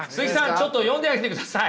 ちょっと読んであげてください。